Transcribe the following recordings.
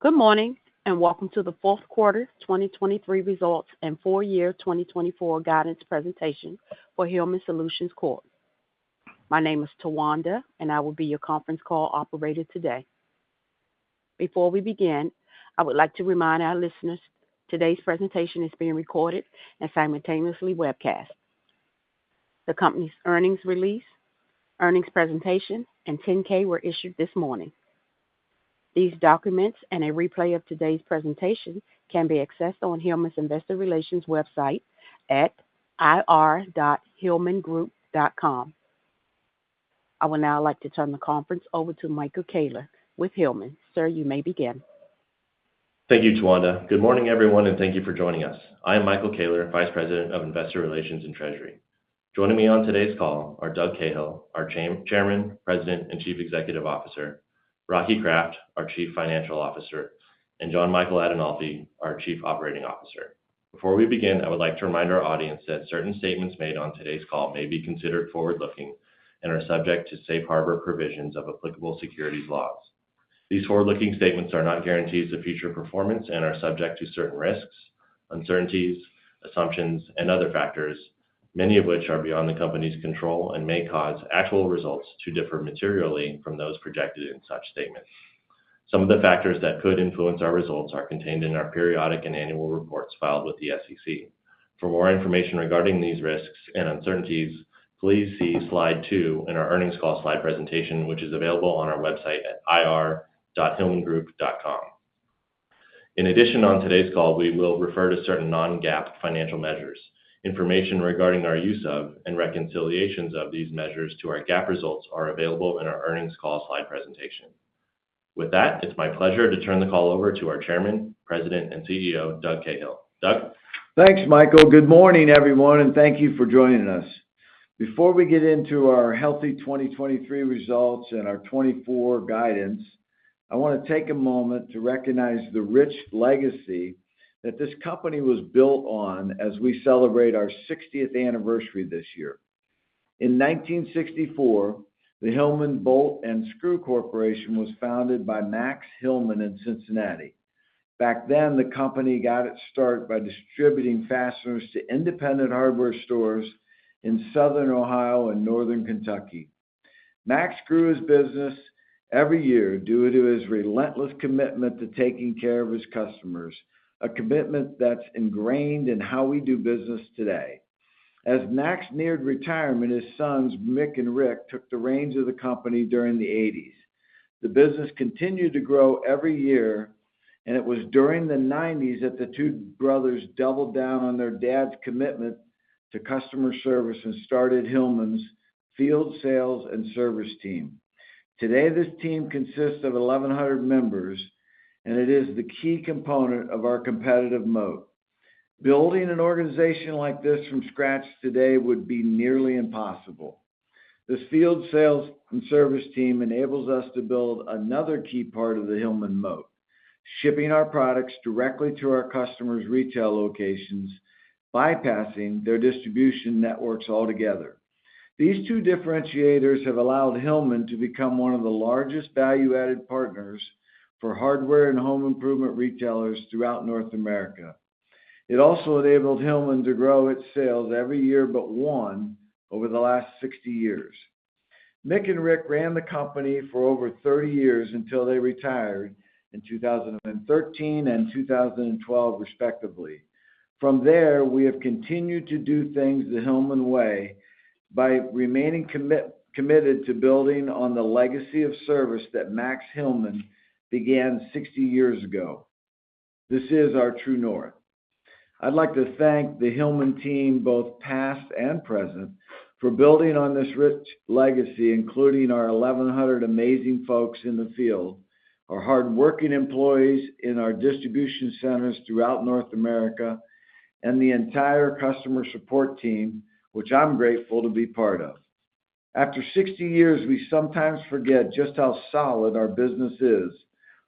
Good morning and welcome to the Fourth Quarter 2023 results and Full Year 2024 guidance presentation for Hillman Solutions Corp. My name is Tawanda, and I will be your conference call operator today. Before we begin, I would like to remind our listeners today's presentation is being recorded and simultaneously webcast. The company's earnings release, earnings presentation, and 10-K were issued this morning. These documents and a replay of today's presentation can be accessed on Hillman's investor relations website at ir.hillmangroup.com. I would now like to turn the conference over to Michael Koehler with Hillman. Sir, you may begin. Thank you, Tawanda. Good morning, everyone, and thank you for joining us. I am Michael Koehler, Vice President of Investor Relations and Treasury. Joining me on today's call are Doug Cahill, our Chairman, President, and Chief Executive Officer. Rocky Kraft, our Chief Financial Officer. And Jon Michael Adinolfi, our Chief Operating Officer. Before we begin, I would like to remind our audience that certain statements made on today's call may be considered forward-looking and are subject to Safe Harbor provisions of applicable securities laws. These forward-looking statements are not guarantees of future performance and are subject to certain risks, uncertainties, assumptions, and other factors, many of which are beyond the company's control and may cause actual results to differ materially from those projected in such statements. Some of the factors that could influence our results are contained in our periodic and annual reports filed with the SEC. For more information regarding these risks and uncertainties, please see slide 2 in our earnings call slide presentation, which is available on our website at ir.hillmangroup.com. In addition, on today's call, we will refer to certain non-GAAP financial measures. Information regarding our use of and reconciliations of these measures to our GAAP results are available in our earnings call slide presentation. With that, it's my pleasure to turn the call over to our Chairman, President, and CEO, Doug Cahill. Doug? Thanks, Michael. Good morning, everyone, and thank you for joining us. Before we get into our healthy 2023 results and our 2024 guidance, I want to take a moment to recognize the rich legacy that this company was built on as we celebrate our 60th anniversary this year. In 1964, the Hillman Bolt and Screw Corporation was founded by Max Hillman in Cincinnati. Back then, the company got its start by distributing fasteners to independent hardware stores in southern Ohio and northern Kentucky. Max grew his business every year due to his relentless commitment to taking care of his customers, a commitment that's ingrained in how we do business today. As Max neared retirement, his sons, Mick and Rick, took the reins of the company during the 1980s. The business continued to grow every year, and it was during the 1990s that the two brothers doubled down on their dad's commitment to customer service and started Hillman's field sales and service team. Today, this team consists of 1,100 members, and it is the key component of our competitive moat. Building an organization like this from scratch today would be nearly impossible. This field sales and service team enables us to build another key part of the Hillman moat: shipping our products directly to our customers' retail locations, bypassing their distribution networks altogether. These two differentiators have allowed Hillman to become one of the largest value-added partners for hardware and home improvement retailers throughout North America. It also enabled Hillman to grow its sales every year but one over the last 60 years. Mick and Rick ran the company for over 30 years until they retired in 2013 and 2012, respectively. From there, we have continued to do things the Hillman way by remaining committed to building on the legacy of service that Max Hillman began 60 years ago. This is our true north. I'd like to thank the Hillman team, both past and present, for building on this rich legacy, including our 1,100 amazing folks in the field, our hardworking employees in our distribution centers throughout North America, and the entire customer support team, which I'm grateful to be part of. After 60 years, we sometimes forget just how solid our business is.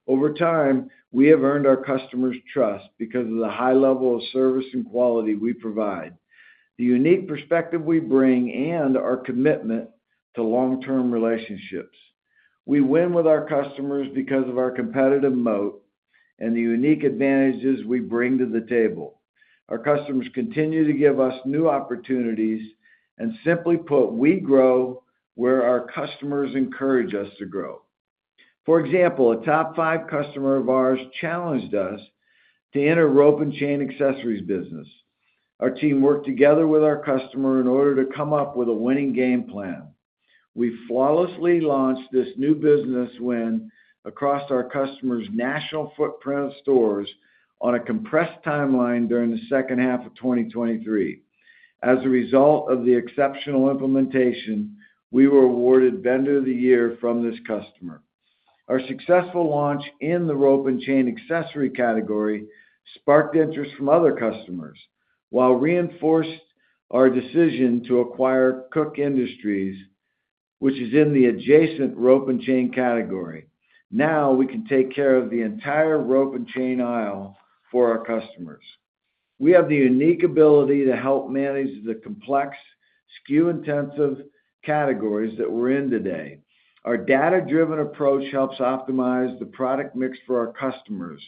Over time, we have earned our customers' trust because of the high level of service and quality we provide, the unique perspective we bring, and our commitment to long-term relationships. We win with our customers because of our competitive moat and the unique advantages we bring to the table. Our customers continue to give us new opportunities and, simply put, we grow where our customers encourage us to grow. For example, a top-5 customer of ours challenged us to enter rope and chain accessories business. Our team worked together with our customer in order to come up with a winning game plan. We flawlessly launched this new business win across our customer's national footprint of stores on a compressed timeline during the second half of 2023. As a result of the exceptional implementation, we were awarded Vendor of the Year from this customer. Our successful launch in the rope and chain accessory category sparked interest from other customers while reinforced our decision to acquire Koch Industries, which is in the adjacent rope and chain category. Now we can take care of the entire rope and chain aisle for our customers. We have the unique ability to help manage the complex, SKU-intensive categories that we're in today. Our data-driven approach helps optimize the product mix for our customers.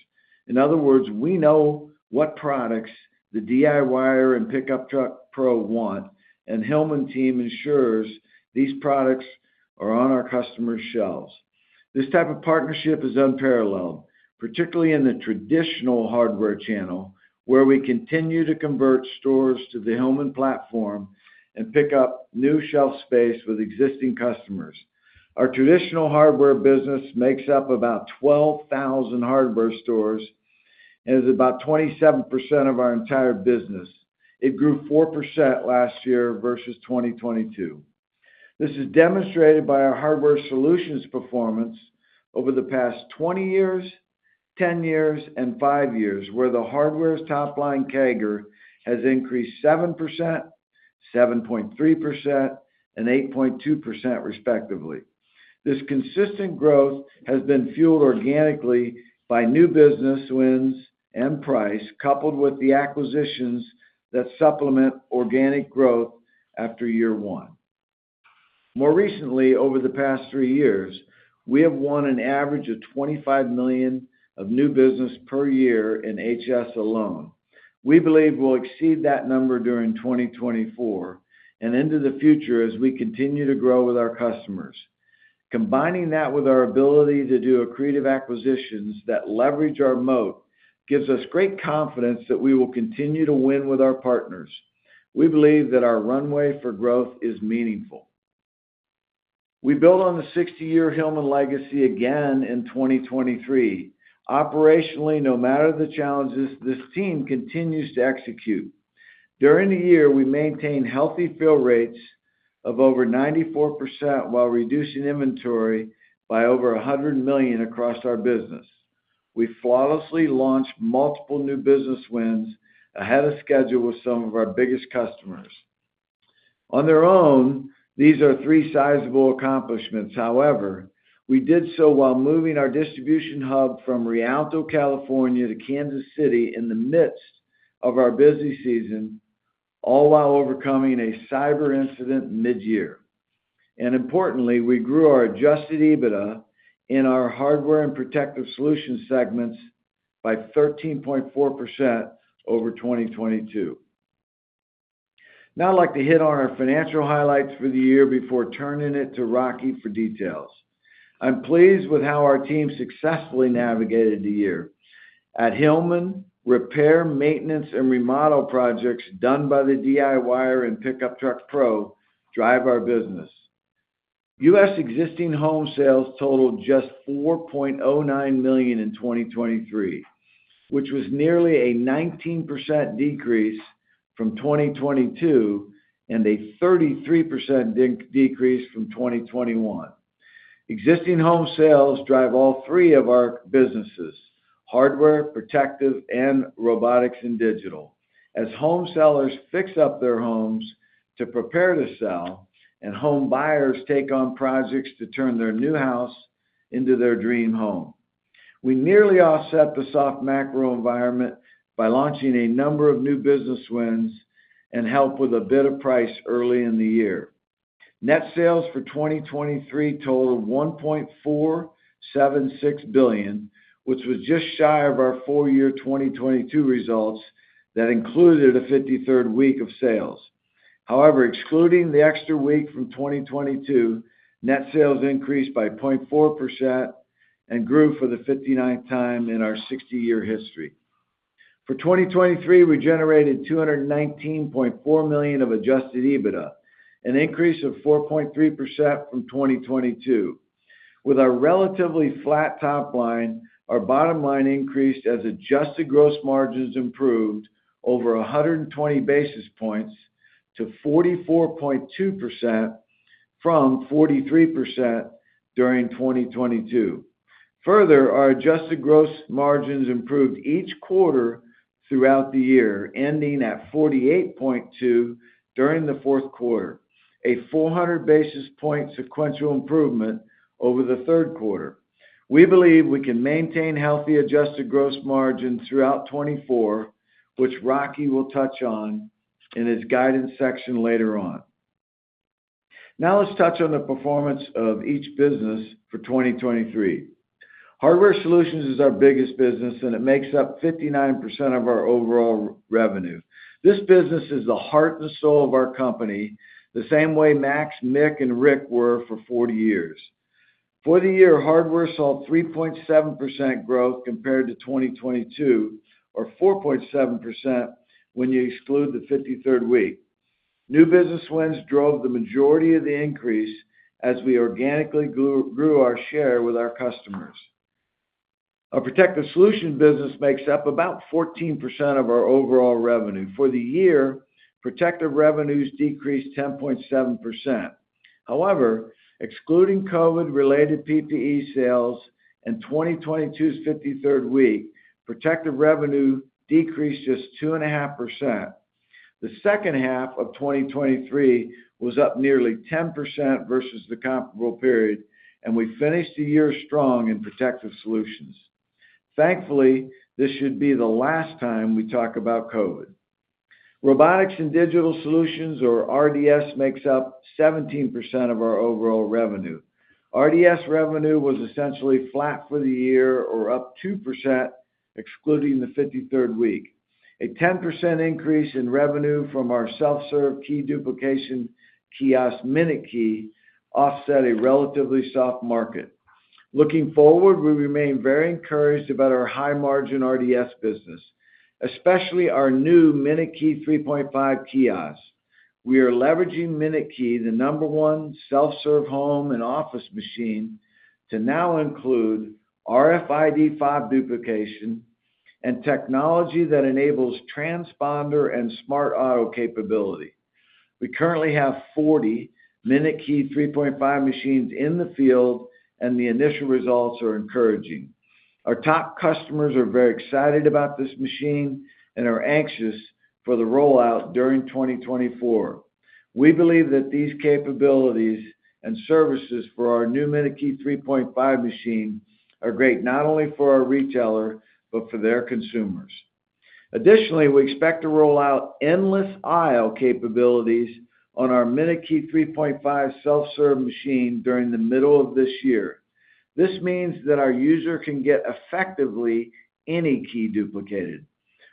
In other words, we know what products the DIYer and Pickup Truck Pro want, and Hillman team ensures these products are on our customers' shelves. This type of partnership is unparalleled, particularly in the traditional hardware channel, where we continue to convert stores to the Hillman platform and pick up new shelf space with existing customers. Our traditional Hardware business makes up about 12,000 hardware stores and is about 27% of our entire business. It grew 4% last year versus 2022. This is demonstrated by our Hardware Solutions performance over the past 20 years, 10 years, and 5 years, where the Hardware's top-line CAGR has increased 7%, 7.3%, and 8.2%, respectively. This consistent growth has been fueled organically by new business wins and price, coupled with the acquisitions that supplement organic growth after year one. More recently, over the past three years, we have won an average of $25 million of new business per year in HS alone. We believe we'll exceed that number during 2024 and into the future as we continue to grow with our customers. Combining that with our ability to do accretive acquisitions that leverage our moat gives us great confidence that we will continue to win with our partners. We believe that our runway for growth is meaningful. We build on the 60-year Hillman legacy again in 2023. Operationally, no matter the challenges, this team continues to execute. During the year, we maintain healthy fill rates of over 94% while reducing inventory by over 100 million across our business. We flawlessly launched multiple new business wins ahead of schedule with some of our biggest customers. On their own, these are three sizable accomplishments. However, we did so while moving our distribution hub from Rialto, California, to Kansas City in the midst of our busy season, all while overcoming a cyber incident mid-year. Importantly, we grew our Adjusted EBITDA in our Hardware and Protective Solutions segments by 13.4% over 2022. Now I'd like to hit on our financial highlights for the year before turning it to Rocky for details. I'm pleased with how our team successfully navigated the year. At Hillman, repair, maintenance, and remodel projects done by the DIYer and Pickup Truck Pro drive our business. U.S. Existing home sales totaled just 4.09 million in 2023, which was nearly a 19% decrease from 2022 and a 33% decrease from 2021. Existing home sales drive all three of our businesses: Hardware, Protective, and Robotics and Digital, as home sellers fix up their homes to prepare to sell and home buyers take on projects to turn their new house into their dream home. We nearly offset the soft macro environment by launching a number of new business wins and held a bit of price early in the year. Net sales for 2023 totaled $1.476 billion, which was just shy of our full year 2022 results that included a 53rd week of sales. However, excluding the extra week from 2022, net sales increased by 0.4% and grew for the 59th time in our 60-year history. For 2023, we generated $219.4 million of Adjusted EBITDA, an increase of 4.3% from 2022. With our relatively flat top line, our bottom line increased as adjusted gross margins improved over 120 basis points to 44.2% from 43% during 2022. Further, our adjusted gross margins improved each quarter throughout the year, ending at 48.2% during the fourth quarter, a 400 basis point sequential improvement over the third quarter. We believe we can maintain healthy adjusted gross margin throughout 2024, which Rocky will touch on in his guidance section later on. Now let's touch on the performance of each business for 2023. Hardware Solutions is our biggest business, and it makes up 59% of our overall revenue. This business is the heart and soul of our company, the same way Max, Mick, and Rick were for 40 years. For the year, hardware saw 3.7% growth compared to 2022, or 4.7% when you exclude the 53rd week. New business wins drove the majority of the increase as we organically grew our share with our customers. Our Protective Solutions business makes up about 14% of our overall revenue. For the year, Protective Solutions revenues decreased 10.7%. However, excluding COVID-related PPE sales and 2022's 53rd week, Protective Solutions revenue decreased just 2.5%. The second half of 2023 was up nearly 10% versus the comparable period, and we finished the year strong in Protective Solutions. Thankfully, this should be the last time we talk about COVID. Robotics and Digital Solutions, or RDS, makes up 17% of our overall revenue. RDS revenue was essentially flat for the year, or up 2% excluding the 53rd week. A 10% increase in revenue from our self-serve key duplication kiosk, MinuteKey, offset a relatively soft market. Looking forward, we remain very encouraged about our high-margin RDS business, especially our new MinuteKey 3.5 kiosk. We are leveraging MinuteKey, the number one self-serve home and office machine, to now include RFID key duplication and technology that enables transponder and smart auto capability. We currently have 40 MinuteKey 3.5 machines in the field, and the initial results are encouraging. Our top customers are very excited about this machine and are anxious for the rollout during 2024. We believe that these capabilities and services for our new MinuteKey 3.5 machine are great not only for our retailer but for their consumers. Additionally, we expect to roll out Endless Aisle capabilities on our MinuteKey 3.5 self-serve machine during the middle of this year. This means that our user can get effectively any key duplicated.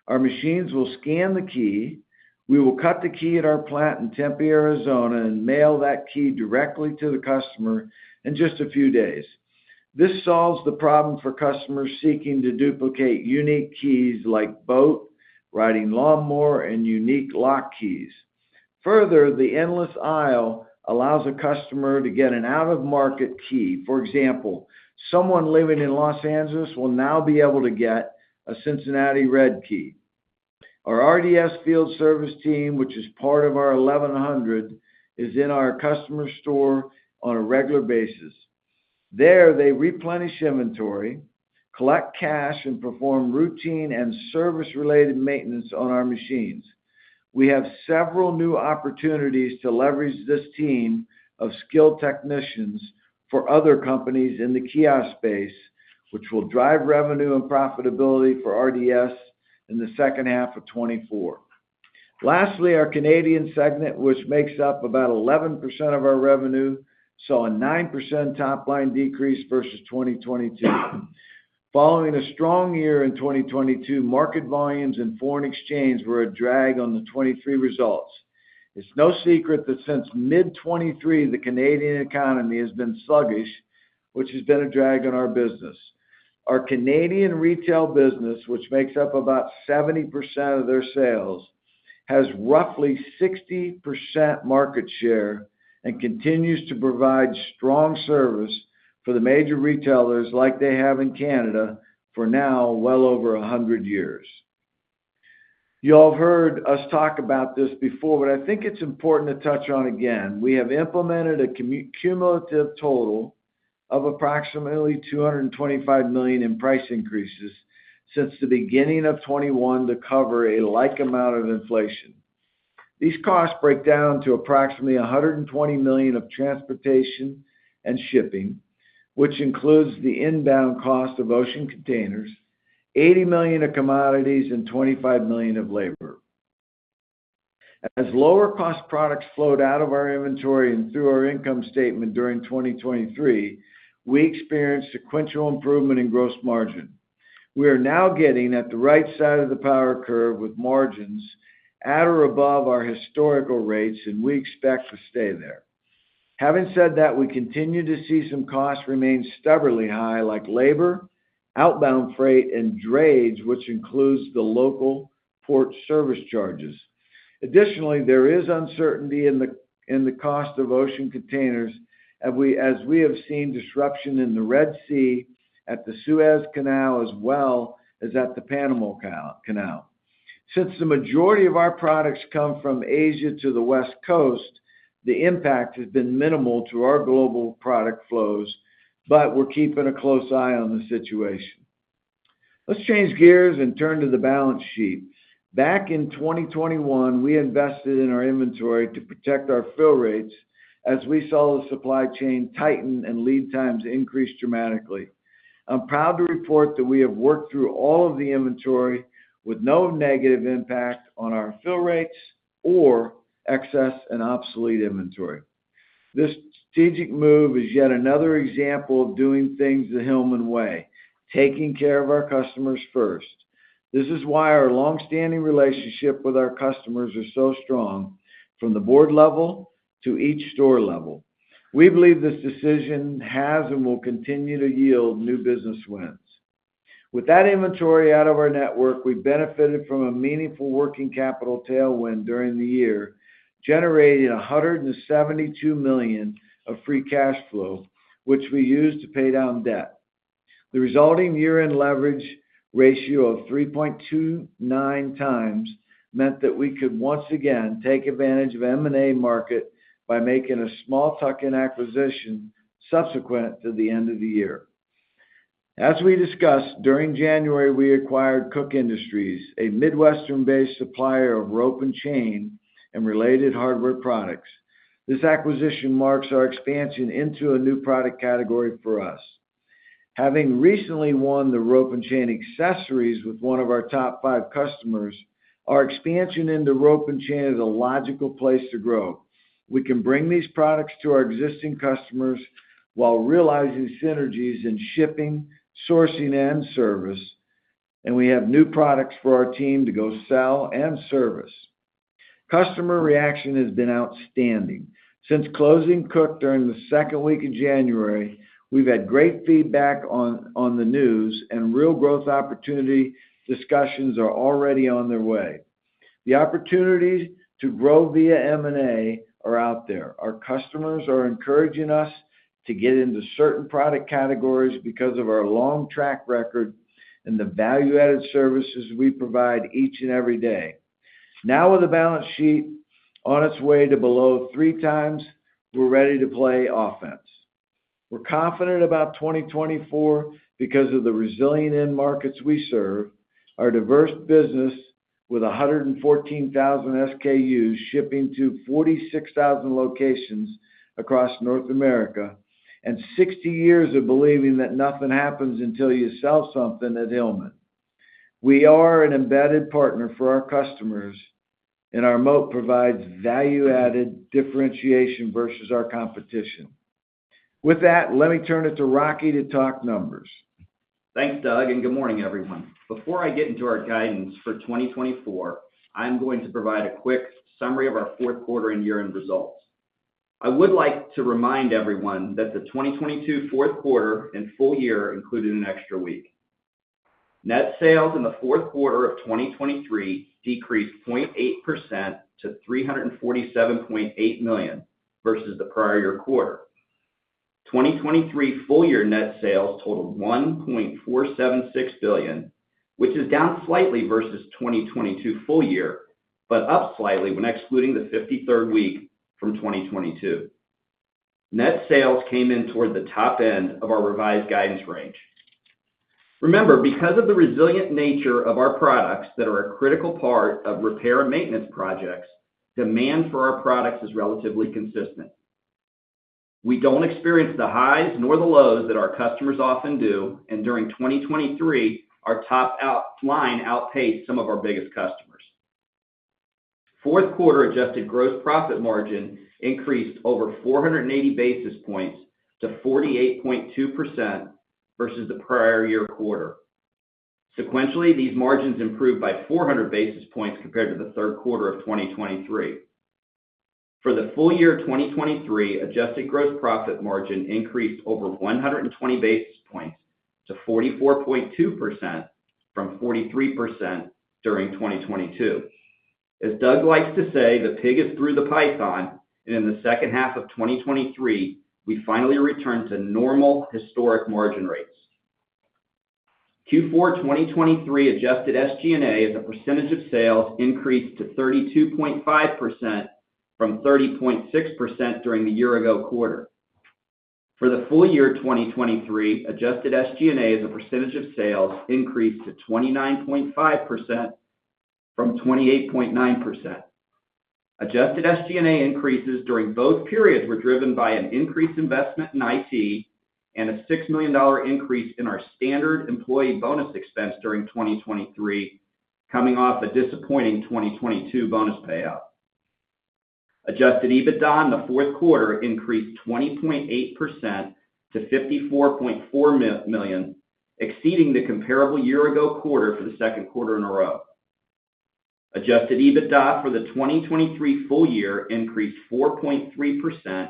Our machines will scan the key. We will cut the key at our plant in Tempe, Arizona, and mail that key directly to the customer in just a few days. This solves the problem for customers seeking to duplicate unique keys like boat, riding lawnmower, and unique lock keys. Further, the Endless Aisle allows a customer to get an out-of-market key. For example, someone living in Los Angeles will now be able to get a Cincinnati Reds key. Our RDS field service team, which is part of our 1,100, is in our customer store on a regular basis. There, they replenish inventory, collect cash, and perform routine and service-related maintenance on our machines. We have several new opportunities to leverage this team of skilled technicians for other companies in the kiosk space, which will drive revenue and profitability for RDS in the second half of 2024. Lastly, our Canadian segment, which makes up about 11% of our revenue, saw a 9% top-line decrease versus 2022. Following a strong year in 2022, market volumes and foreign exchange were a drag on the 2023 results. It's no secret that since mid-2023, the Canadian economy has been sluggish, which has been a drag on our business. Our Canadian Retail business, which makes up about 70% of their sales, has roughly 60% market share and continues to provide strong service for the major retailers like they have in Canada for now well over 100 years. You all have heard us talk about this before, but I think it's important to touch on again. We have implemented a cumulative total of approximately $225 million in price increases since the beginning of 2021 to cover a like amount of inflation. These costs break down to approximately $120 million of transportation and shipping, which includes the inbound cost of ocean containers, $80 million of commodities, and $25 million of labor. As lower-cost products flowed out of our inventory and through our income statement during 2023, we experienced sequential improvement in gross margin. We are now getting at the right side of the power curve with margins at or above our historical rates, and we expect to stay there. Having said that, we continue to see some costs remain stubbornly high, like labor, outbound freight, and drayage, which includes the local port service charges. Additionally, there is uncertainty in the cost of ocean containers as we have seen disruption in the Red Sea at the Suez Canal as well as at the Panama Canal. Since the majority of our products come from Asia to the West Coast, the impact has been minimal to our global product flows, but we're keeping a close eye on the situation. Let's change gears and turn to the balance sheet. Back in 2021, we invested in our inventory to protect our fill rates as we saw the supply chain tighten and lead times increase dramatically. I'm proud to report that we have worked through all of the inventory with no negative impact on our fill rates or excess and obsolete inventory. This strategic move is yet another example of doing things the Hillman way, taking care of our customers first. This is why our longstanding relationship with our customers is so strong, from the board level to each store level. We believe this decision has and will continue to yield new business wins. With that inventory out of our network, we benefited from a meaningful working capital tailwind during the year, generating $172 million of free cash flow, which we used to pay down debt. The resulting year-end leverage ratio of 3.29x meant that we could once again take advantage of M&A market by making a small tuck-in acquisition subsequent to the end of the year. As we discussed, during January, we acquired Koch Industries, a Midwestern-based supplier of rope and chain and related hardware products. This acquisition marks our expansion into a new product category for us. Having recently won the rope and chain accessories with one of our top five customers, our expansion into rope and chain is a logical place to grow. We can bring these products to our existing customers while realizing synergies in shipping, sourcing, and service, and we have new products for our team to go sell and service. Customer reaction has been outstanding. Since closing Koch during the second week of January, we've had great feedback on the news, and real growth opportunity discussions are already on their way. The opportunities to grow via M&A are out there. Our customers are encouraging us to get into certain product categories because of our long track record and the value-added services we provide each and every day. Now, with the balance sheet on its way to below 3x, we're ready to play offense. We're confident about 2024 because of the resilient end markets we serve, our diverse business with 114,000 SKUs shipping to 46,000 locations across North America, and 60 years of believing that nothing happens until you sell something at Hillman. We are an embedded partner for our customers, and our moat provides value-added differentiation versus our competition. With that, let me turn it to Rocky to talk numbers. Thanks, Doug, and good morning, everyone. Before I get into our guidance for 2024, I'm going to provide a quick summary of our fourth quarter and year-end results. I would like to remind everyone that the 2022 fourth quarter and full year included an extra week. Net sales in the fourth quarter of 2023 decreased 0.8% to $347.8 million versus the prior year quarter. 2023 full-year net sales totaled $1.476 billion, which is down slightly versus 2022 full year but up slightly when excluding the 53rd week from 2022. Net sales came in toward the top end of our revised guidance range. Remember, because of the resilient nature of our products that are a critical part of repair and maintenance projects, demand for our products is relatively consistent. We don't experience the highs nor the lows that our customers often do, and during 2023, our top line outpaced some of our biggest customers. Fourth quarter adjusted gross profit margin increased over 480 basis points to 48.2% versus the prior year quarter. Sequentially, these margins improved by 400 basis points compared to the third quarter of 2023. For the full year 2023, adjusted gross profit margin increased over 120 basis points to 44.2% from 43% during 2022. As Doug likes to say, the pig is through the python, and in the second half of 2023, we finally returned to normal historic margin rates. Q4 2023 adjusted SG&A as a percentage of sales increased to 32.5% from 30.6% during the year-ago quarter. For the full year 2023, adjusted SG&A as a percentage of sales increased to 29.5% from 28.9%. Adjusted SG&A increases during both periods were driven by an increased investment in IT and a $6 million increase in our standard employee bonus expense during 2023, coming off a disappointing 2022 bonus payout. Adjusted EBITDA in the fourth quarter increased 20.8% to $54.4 million, exceeding the comparable year-ago quarter for the second quarter in a row. Adjusted EBITDA for the 2023 full year increased 4.3%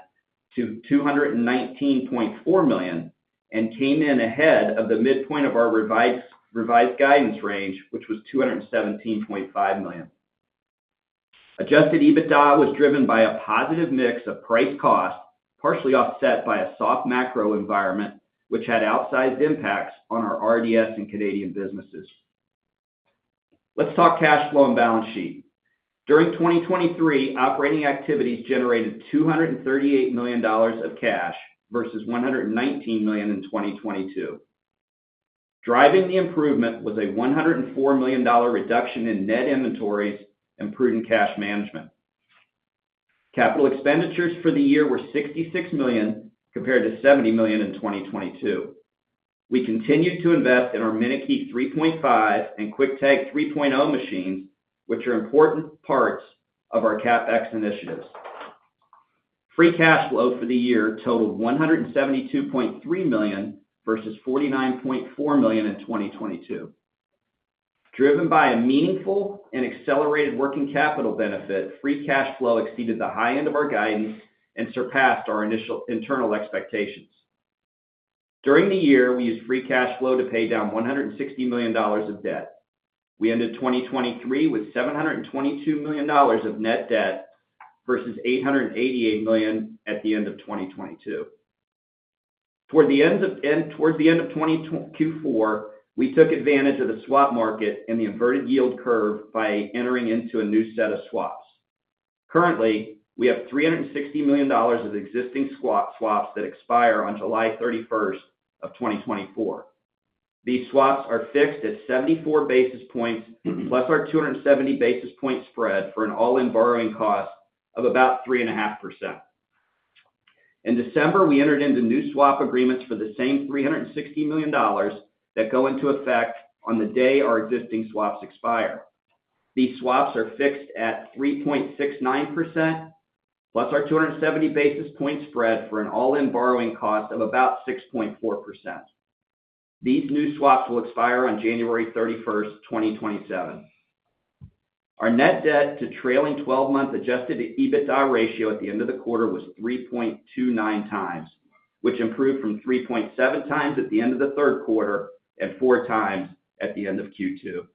to $219.4 million and came in ahead of the midpoint of our revised guidance range, which was $217.5 million. Adjusted EBITDA was driven by a positive mix of price-cost, partially offset by a soft macro environment, which had outsized impacts on our RDS and Canadian businesses. Let's talk cash flow and balance sheet. During 2023, operating activities generated $238 million of cash versus $119 million in 2022. Driving the improvement was a $104 million reduction in net inventories and prudent cash management. Capital expenditures for the year were $66 million compared to $70 million in 2022. We continued to invest in our MinuteKey 3.5 and QuickTag 3.0 machines, which are important parts of our CapEx initiatives. Free cash flow for the year totaled $172.3 million versus $49.4 million in 2022. Driven by a meaningful and accelerated working capital benefit, free cash flow exceeded the high end of our guidance and surpassed our initial internal expectations. During the year, we used free cash flow to pay down $160 million of debt. We ended 2023 with $722 million of net debt versus $888 million at the end of 2022. Towards the end of Q4, we took advantage of the swap market and the inverted yield curve by entering into a new set of swaps. Currently, we have $360 million of existing swaps that expire on July 31st of 2024. These swaps are fixed at 74 basis points + our 270 basis point spread for an all-in borrowing cost of about 3.5%. In December, we entered into new swap agreements for the same $360 million that go into effect on the day our existing swaps expire. These swaps are fixed at 3.69% + our 270 basis point spread for an all-in borrowing cost of about 6.4%. These new swaps will expire on January 31st, 2027. Our net debt to trailing 12-month Adjusted EBITDA ratio at the end of the quarter was 3.29x, which improved from 3.7x at the end of the third quarter and 4x at the end of Q2.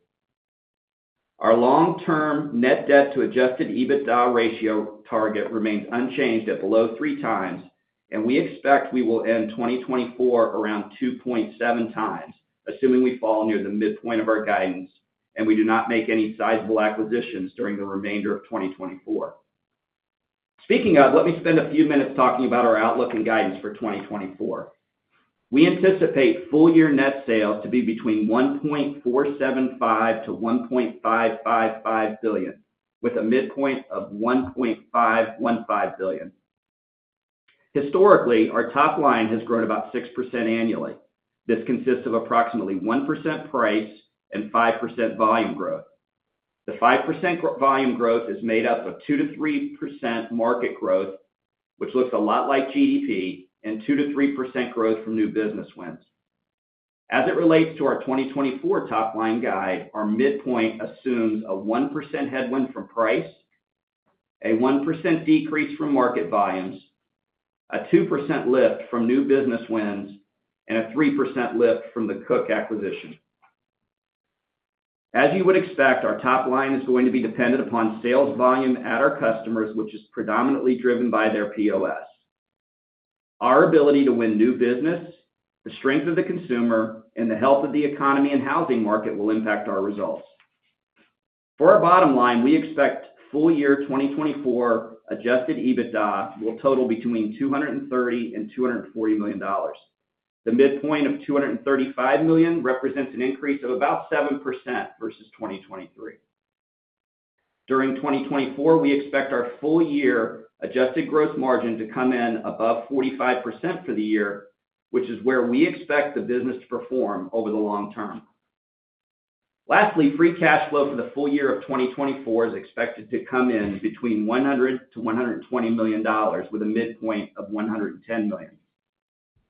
Our long-term net debt to Adjusted EBITDA ratio target remains unchanged at below 3x, and we expect we will end 2024 around 2.7x, assuming we fall near the midpoint of our guidance and we do not make any sizable acquisitions during the remainder of 2024. Speaking of, let me spend a few minutes talking about our outlook and guidance for 2024. We anticipate full-year net sales to be between $1.475 billion-$1.555 billion, with a midpoint of $1.515 billion. Historically, our top line has grown about 6% annually. This consists of approximately 1% price and 5% volume growth. The 5% volume growth is made up of 2%-3% market growth, which looks a lot like GDP, and 2%-3% growth from new business wins. As it relates to our 2024 top line guide, our midpoint assumes a 1% headwind from price, a 1% decrease from market volumes, a 2% lift from new business wins, and a 3% lift from the Koch acquisition. As you would expect, our top line is going to be dependent upon sales volume at our customers, which is predominantly driven by their POS. Our ability to win new business, the strength of the consumer, and the health of the economy and housing market will impact our results. For our bottom line, we expect full year 2024 Adjusted EBITDA will total between $230 million-$240 million. The midpoint of $235 million represents an increase of about 7% versus 2023. During 2024, we expect our full-year adjusted gross margin to come in above 45% for the year, which is where we expect the business to perform over the long term. Lastly, free cash flow for the full year of 2024 is expected to come in between $100 million-$120 million, with a midpoint of $110 million.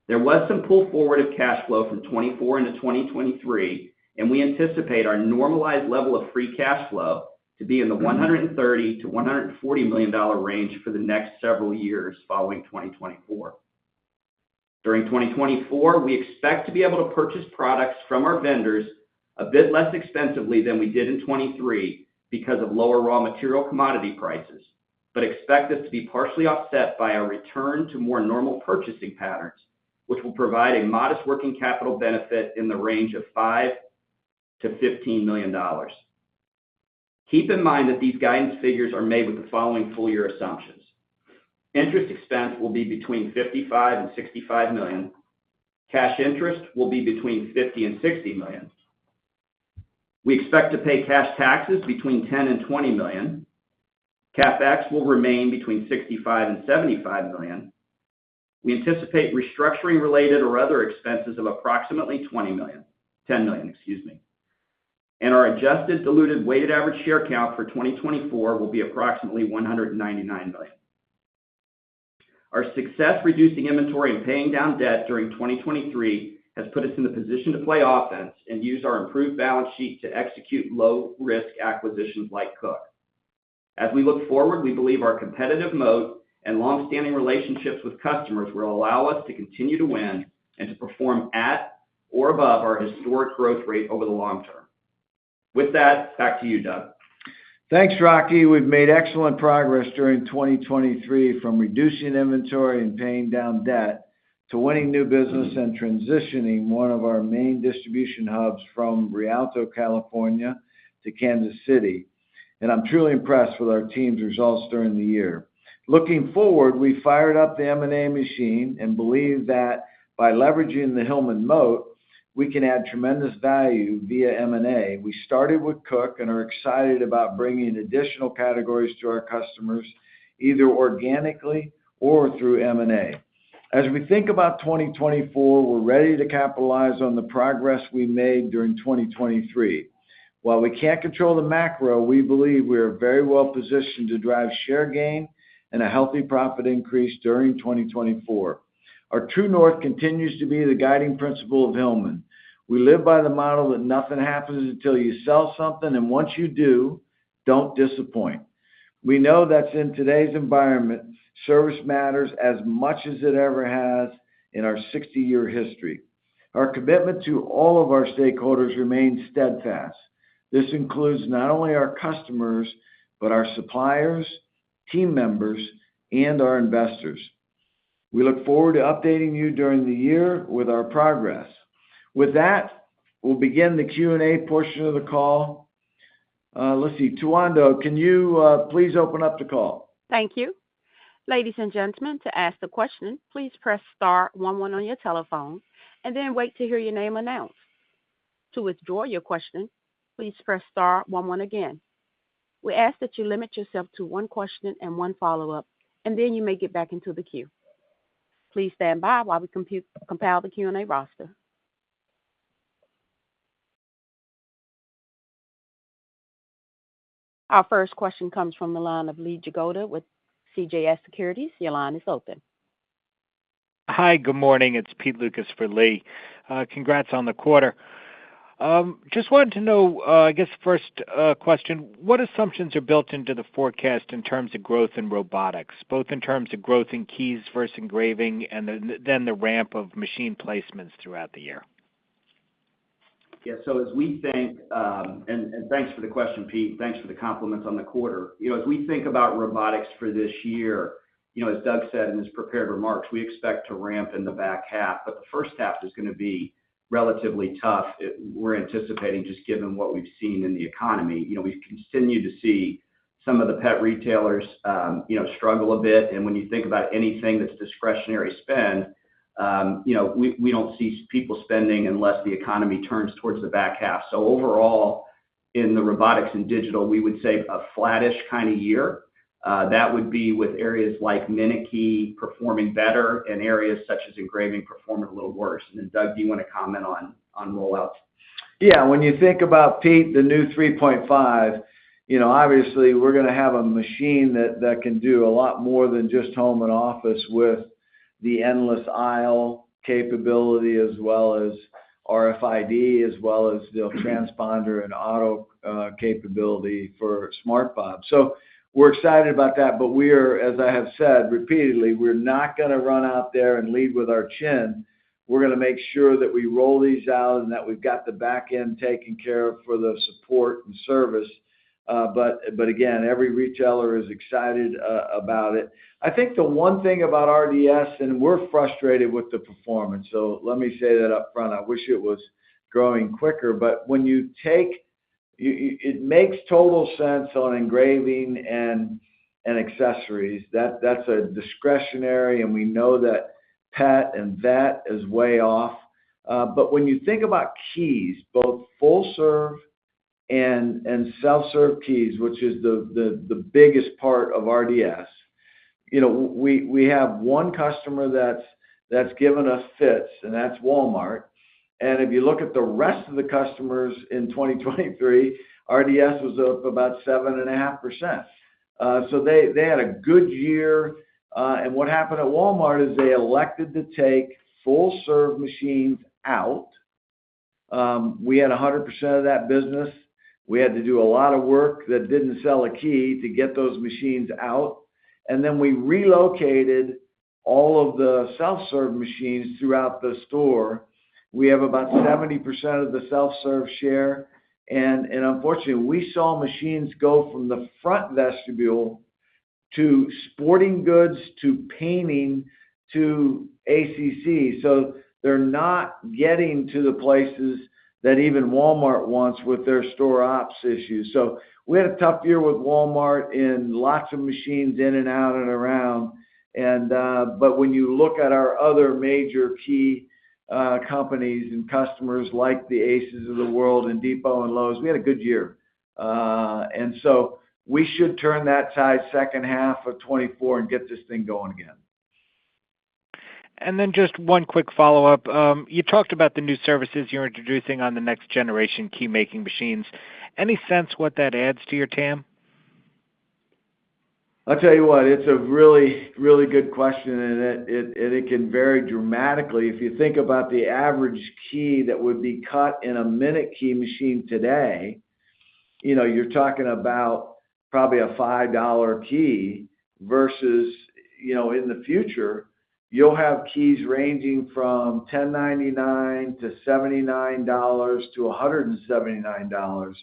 There was some pull forward of cash flow from 2024 into 2023, and we anticipate our normalized level of free cash flow to be in the $130 million-$140 million range for the next several years following 2024. During 2024, we expect to be able to purchase products from our vendors a bit less expensively than we did in 2023 because of lower raw material commodity prices, but expect this to be partially offset by our return to more normal purchasing patterns, which will provide a modest working capital benefit in the range of $5 million-$15 million. Keep in mind that these guidance figures are made with the following full-year assumptions. Interest expense will be between $55 million-$65 million. Cash interest will be between $50 million-$60 million. We expect to pay cash taxes between $10 million-$20 million. CapEx will remain between $65 million-$75 million. We anticipate restructuring-related or other expenses of approximately $20 million, $10 million, excuse me, and our adjusted diluted weighted average share count for 2024 will be approximately $199 million. Our success reducing inventory and paying down debt during 2023 has put us in the position to play offense and use our improved balance sheet to execute low-risk acquisitions like Koch. As we look forward, we believe our competitive moat and longstanding relationships with customers will allow us to continue to win and to perform at or above our historic growth rate over the long term. With that, back to you, Doug. Thanks, Rocky. We've made excellent progress during 2023 from reducing inventory and paying down debt to winning new business and transitioning one of our main distribution hubs from Rialto, California, to Kansas City, and I'm truly impressed with our team's results during the year. Looking forward, we fired up the M&A machine and believe that by leveraging the Hillman moat, we can add tremendous value via M&A. We started with Koch and are excited about bringing additional categories to our customers, either organically or through M&A. As we think about 2024, we're ready to capitalize on the progress we made during 2023. While we can't control the macro, we believe we are very well positioned to drive share gain and a healthy profit increase during 2024. Our True North continues to be the guiding principle of Hillman. We live by the model that nothing happens until you sell something, and once you do, don't disappoint. We know that in today's environment, service matters as much as it ever has in our 60-year history. Our commitment to all of our stakeholders remains steadfast. This includes not only our customers but our suppliers, team members, and our investors. We look forward to updating you during the year with our progress. With that, we'll begin the Q&A portion of the call. Let's see. Tawanda, can you please open up the call? Thank you. Ladies and gentlemen, to ask a question, please press star one one on your telephone and then wait to hear your name announced. To withdraw your question, please press star one one again. We ask that you limit yourself to one question and one follow-up, and then you may get back into the queue. Please stand by while we compile the Q&A roster. Our first question comes from the line of Lee Jagoda with CJS Securities. Your line is open. Hi. Good morning. It's Peter Lukas for Lee. Congrats on the quarter. Just wanted to know, I guess, first question, what assumptions are built into the forecast in terms of growth in Robotics, both in terms of growth in keys versus engraving and then the ramp of machine placements throughout the year? Yeah. As we think and thanks for the question, Pete. Thanks for the compliments on the quarter. As we think about Robotics for this year, as Doug said in his prepared remarks, we expect to ramp in the back half, but the first half is going to be relatively tough. We're anticipating, just given what we've seen in the economy, we've continued to see some of the pet retailers struggle a bit. When you think about anything that's discretionary spend, we don't see people spending unless the economy turns towards the back half. Overall, in the Robotics and Digital, we would say a flattish kind of year. That would be with areas like MinuteKey performing better and areas such as engraving performing a little worse. Then, Doug, do you want to comment on rollouts? Yeah. When you think about, Pete, the new 3.5, obviously, we're going to have a machine that can do a lot more than just home and office with the Endless Aisle capability as well as RFID as well as the transponder and auto capability for Smart Fob. We're excited about that. As I have said repeatedly, we're not going to run out there and lead with our chin. We're going to make sure that we roll these out and that we've got the back end taken care of for the support and service. Again, every retailer is excited about it. I think the one thing about RDS, and we're frustrated with the performance so let me say that upfront. I wish it was growing quicker. When you take it, it makes total sense on engraving and accessories. That's a discretionary, and we know that pet and that is way off. When you think about keys, both full-serve and self-serve keys, which is the biggest part of RDS, we have one customer that's given us fits, and that's Walmart. If you look at the rest of the customers in 2023, RDS was up about 7.5%. They had a good year. What happened at Walmart is they elected to take full-serve machines out. We had 100% of that business. We had to do a lot of work that didn't sell a key to get those machines out. Then we relocated all of the self-serve machines throughout the store. We have about 70% of the self-serve share. Unfortunately, we saw machines go from the front vestibule to sporting goods to painting to ACC. They're not getting to the places that even Walmart wants with their store ops issues. We had a tough year with Walmart in lots of machines in and out and around. When you look at our other major key companies and customers like the Aces of the World and Depot and Lowe's, we had a good year. And so we should turn that side second half of 2024 and get this thing going again. Then just one quick follow-up. You talked about the new services you're introducing on the next-generation key-making machines. Any sense what that adds to your TAM? I'll tell you what. It's a really, really good question, and it can vary dramatically. If you think about the average key that would be cut in a MinuteKey machine today, you're talking about probably a $5 key versus in the future, you'll have keys ranging from $10.99-$79 to $179.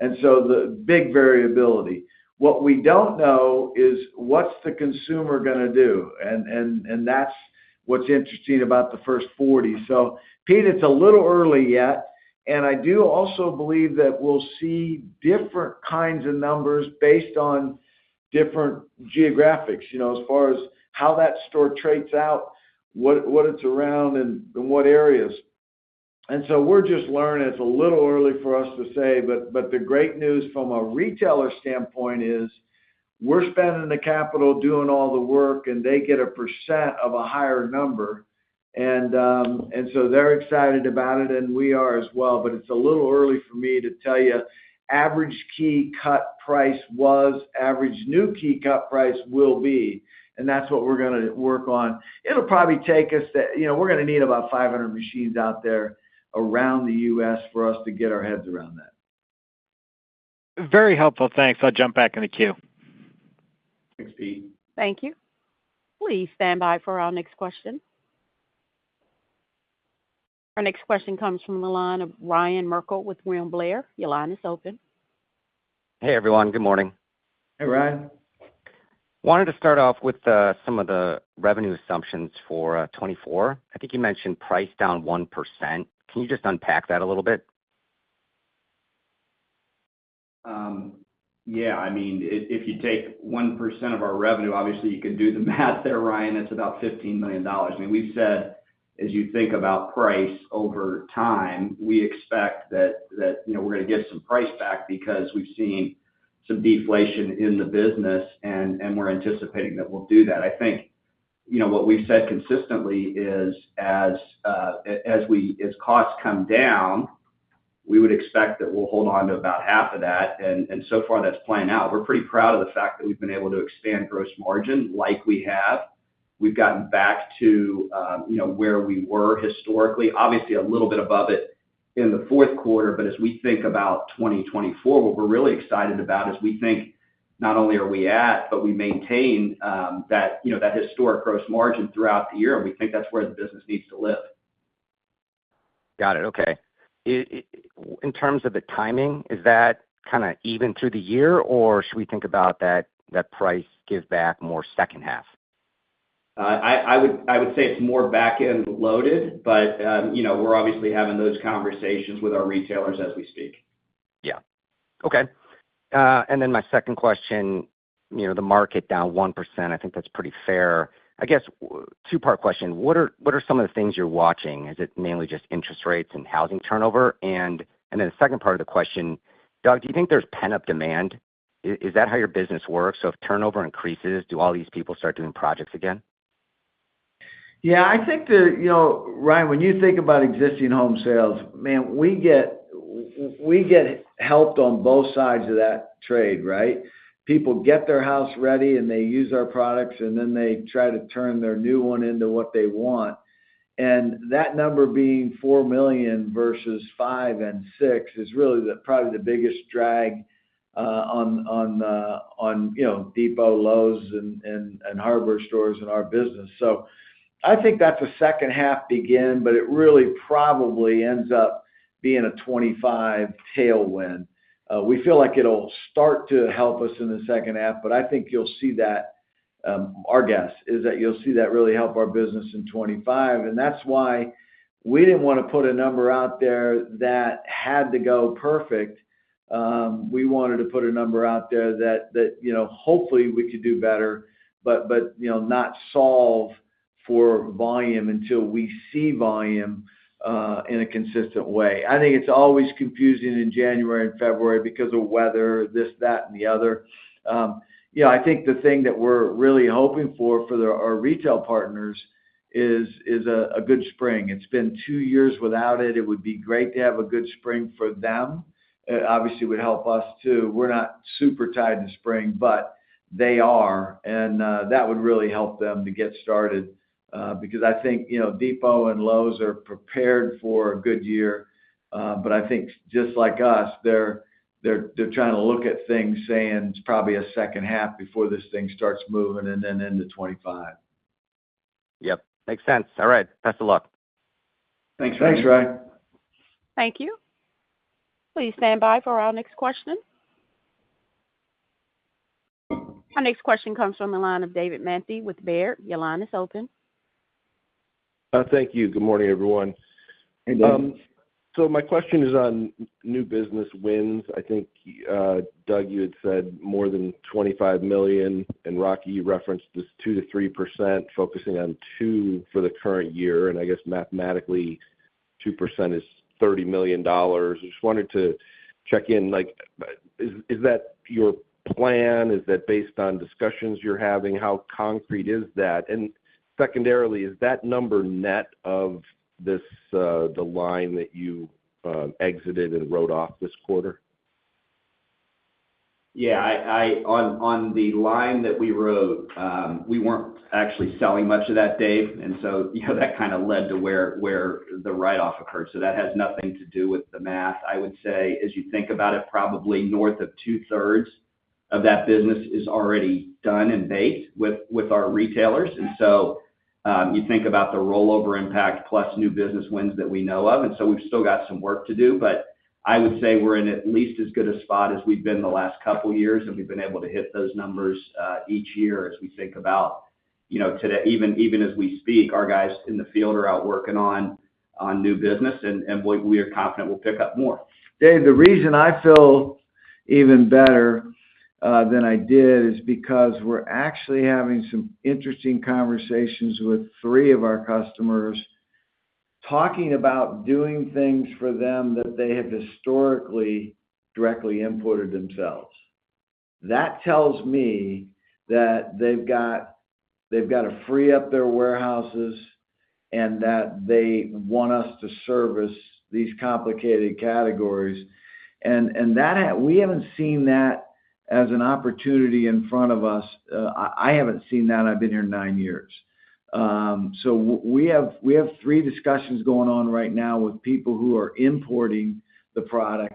The big variability. What we don't know is what's the consumer going to do. That's what's interesting about the first 40. Pete, it's a little early yet. I do also believe that we'll see different kinds of numbers based on different geographics as far as how that store trades out, what it's around, and what areas. We're just learning. It's a little early for us to say. The great news from a retailer standpoint is we're spending the capital doing all the work, and they get a percent of a higher number. They're excited about it, and we are as well. It's a little early for me to tell you average key cut price was average new key cut price will be. That's what we're going to work on. It'll probably take us that we're going to need about 500 machines out there around the U.S. for us to get our heads around that. Very helpful. Thanks. I'll jump back in the queue. Thanks, Pete. Thank you. Please stand by for our next question. Our next question comes from the line of Ryan Merkel with William Blair. Your line is open. Hey, everyone. Good morning. Hey, Ryan. Wanted to start off with some of the revenue assumptions for 2024. I think you mentioned price down 1%. Can you just unpack that a little bit? Yeah. I mean, if you take 1% of our revenue, obviously, you can do the math there, Ryan. It's about $15 million. I mean, we've said, as you think about price over time, we expect that we're going to get some price back because we've seen some deflation in the business, and we're anticipating that we'll do that. I think what we've said consistently is as costs come down, we would expect that we'll hold on to about half of that, and so far, that's playing out. We're pretty proud of the fact that we've been able to expand gross margin like we have. We've gotten back to where we were historically, obviously, a little bit above it in the fourth quarter. As we think about 2024, what we're really excited about is we think not only are we at, but we maintain that historic gross margin throughout the year. We think that's where the business needs to live. Got it. Okay. In terms of the timing, is that kind of even through the year, or should we think about that price give back more second half? I would say it's more back-end loaded, but we're obviously having those conversations with our retailers as we speak. Yeah. Okay. Then my second question, the market down 1%, I think that's pretty fair. I guess, two-part question. What are some of the things you're watching? Is it mainly just interest rates and housing turnover? Then the second part of the question, Doug, do you think there's pent-up demand? Is that how your business works? If turnover increases, do all these people start doing projects again? Yeah. I think that, Ryan, when you think about existing home sales, man, we get helped on both sides of that trade, right? People get their house ready, and they use our products, and then they try to turn their new one into what they want. That number being 4 million versus 5 and 6 is really probably the biggest drag on Home Depot, Lowe's, and Harbor Freight stores in our business. I think that's a second half begin, but it really probably ends up being a 2025 tailwind. We feel like it'll start to help us in the second half, but I think you'll see that our guess is that you'll see that really help our business in 2025. That's why we didn't want to put a number out there that had to go perfect. We wanted to put a number out there that hopefully, we could do better but not solve for volume until we see volume in a consistent way. I think it's always confusing in January and February because of weather, this, that, and the other. I think the thing that we're really hoping for for our retail partners is a good spring. It's been two years without it. It would be great to have a good spring for them. Obviously, it would help us too. We're not super tied to spring, but they are. That would really help them to get started because I think Depot and Lowe's are prepared for a good year. I think just like us, they're trying to look at things saying it's probably a second half before this thing starts moving and then into 2025. Yep. Makes sense. All right. Best of luck. Thanks, Ryan. Thanks, Ryan. Thank you. Please stand by for our next question. Our next question comes from the line of David Manthey with Baird. Your line is open. Thank you. Good morning, everyone. My question is on new business wins. I think, Doug, you had said more than $25 million. Rocky, you referenced this 2%-3% focusing on 2% for the current year. I guess mathematically, 2% is $30 million. I just wanted to check in. Is that your plan? Is that based on discussions you're having? How concrete is that? Secondarily, is that number net of the line that you exited and wrote off this quarter? Yeah. On the line that we wrote, we weren't actually selling much of that, Dave. That kind of led to where the write-off occurred. That has nothing to do with the math. I would say, as you think about it, probably north of2/3 of that business is already done and baked with our retailers. You think about the rollover impact plus new business wins that we know of. We've still got some work to do. I would say we're in at least as good a spot as we've been the last couple of years, and we've been able to hit those numbers each year as we think about today. Even as we speak, our guys in the field are out working on new business, and we are confident we'll pick up more. Dave, the reason I feel even better than I did is because we're actually having some interesting conversations with three of our customers talking about doing things for them that they have historically directly imported themselves. That tells me that they've got to free up their warehouses and that they want us to service these complicated categories. We haven't seen that as an opportunity in front of us. I haven't seen that. I've been here nine years. We have three discussions going on right now with people who are importing the product.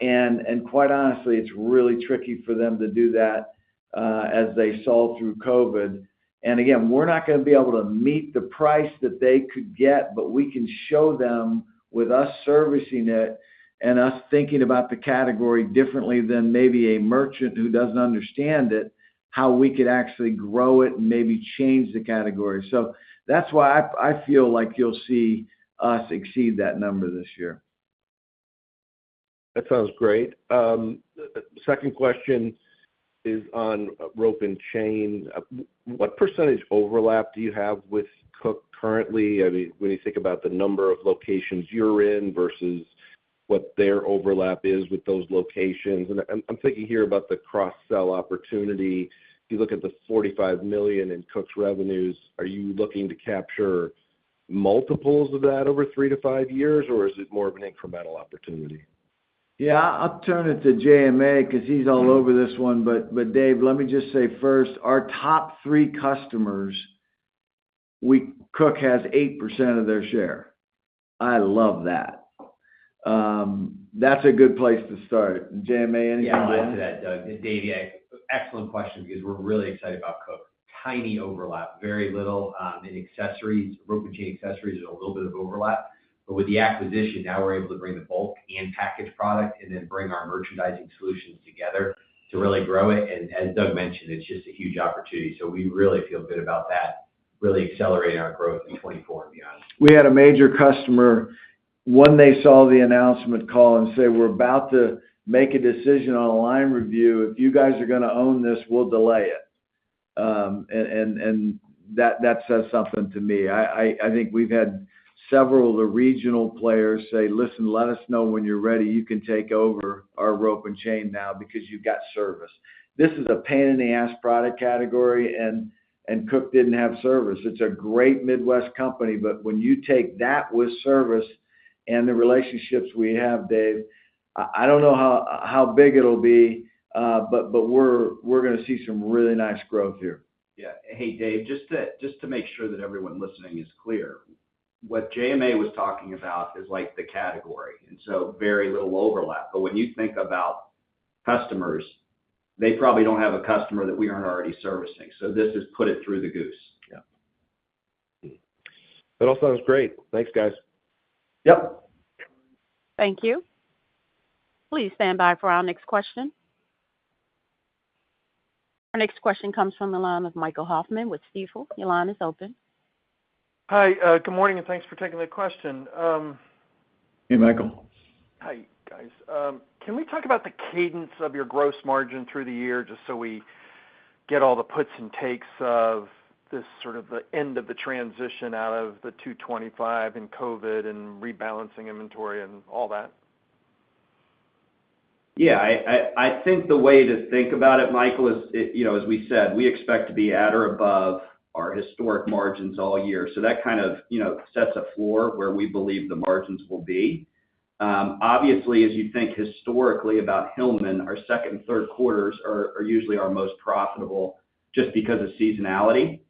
Quite honestly, it's really tricky for them to do that as they saw through COVID. Again, we're not going to be able to meet the price that they could get, but we can show them with us servicing it and us thinking about the category differently than maybe a merchant who doesn't understand it, how we could actually grow it and maybe change the category. That's why I feel like you'll see us exceed that number this year. That sounds great. Second question is on rope and chain. What percentage overlap do you have with Koch currently? I mean, when you think about the number of locations you're in versus what their overlap is with those locations? I'm thinking here about the cross-sell opportunity. If you look at the $45 million in Koch's revenues, are you looking to capture multiples of that over 3 years-5 years, or is it more of an incremental opportunity? Yeah. I'll turn it to JMA because he's all over this one. Dave, let me just say first, our top three customers, Koch has 8% of their share. I love that. That's a good place to start. JMA, anything on that? Yeah. I'll answer that, Doug. Dave, excellent question because we're really excited about Koch. Tiny overlap, very little. In accessories, rope and chain accessories are a little bit of overlap. With the acquisition, now we're able to bring the bulk and package product and then bring our merchandising solutions together to really grow it. As Doug mentioned, it's just a huge opportunity. We really feel good about that really accelerating our growth in 2024 and beyond. We had a major customer. One, they saw the announcement call and say, "We're about to make a decision on a line review. If you guys are going to own this, we'll delay it." That says something to me. I think we've had several of the regional players say, "Listen, let us know when you're ready. You can take over our rope and chain now because you've got service." This is a pain-in-the-ass product category, and Koch didn't have service. It's a great Midwest company. When you take that with service and the relationships we have, Dave, I don't know how big it'll be, but we're going to see some really nice growth here. Yeah. Hey, Dave, just to make sure that everyone listening is clear, what JMA was talking about is the category, and so very little overlap. When you think about customers, they probably don't have a customer that we aren't already servicing. This has put it through the goose. Yeah. That all sounds great. Thanks, guys. Yep. Thank you. Please stand by for our next question. Our next question comes from the line of Michael Hoffman with Stifel. Your line is open. Hi. Good morning, and thanks for taking the question. Hey, Michael. Hi, guys. Can we talk about the cadence of your gross margin through the year just so we get all the puts and takes of this sort of the end of the transition out of the 225 and COVID and rebalancing inventory and all that? Yeah. I think the way to think about it, Michael, is as we said, we expect to be at or above our historic margins all year. That kind of sets a floor where we believe the margins will be. Obviously, as you think historically about Hillman, our second and third quarters are usually our most profitable just because of seasonality.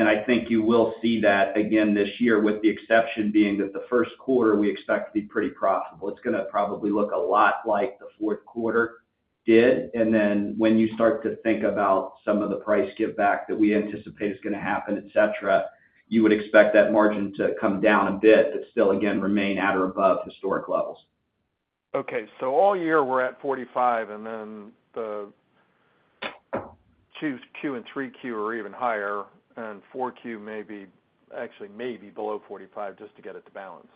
I think you will see that again this year, with the exception being that the first quarter we expect to be pretty profitable. It's going to probably look a lot like the fourth quarter did. Then when you start to think about some of the price give back that we anticipate is going to happen, etc., you would expect that margin to come down a bit but still, again, remain at or above historic levels. Okay. All year, we're at 45, and then the 2Q and 3Q are even higher, and 4Q actually may be below 45 just to get it to balance?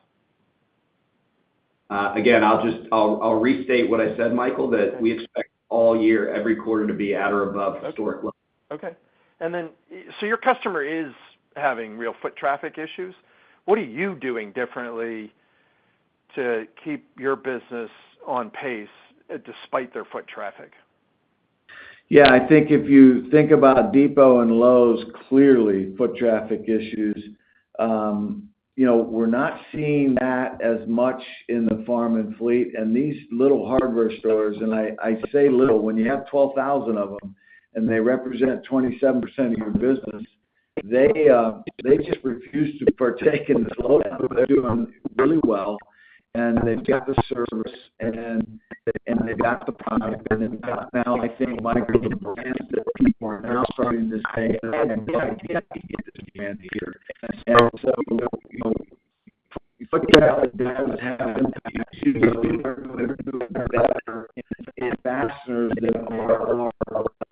Again, I'll restate what I said, Michael, that we expect all year, every quarter to be at or above historic levels. Okay. Your customer is having real foot traffic issues. What are you doing differently to keep your business on pace despite their foot traffic? Yeah. I think if you think about Depot and Lowe's, clearly, foot traffic issues. We're not seeing that as much in the farm and fleet. These little hardware stores, and I say little when you have 12,000 of them, and they represent 27% of your business, they just refuse to partake in this load-up. They're doing really well, and they've got the service, and they've got the product. I think, micro-brands that people are now starting to say, "I have no idea how to get this brand here." Ag and towns that have income, I do better in fasteners than a